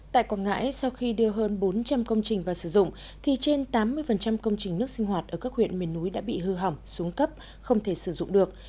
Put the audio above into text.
tại quảng ngãi sau khi đưa hơn bốn trăm linh công trình vào sử dụng thì trên tám mươi công trình nước sinh hoạt ở các huyện miền núi đã bị hư hỏng xuống cấp không thể sử dụng được